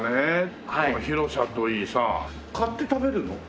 広さといいさ買って食べるの？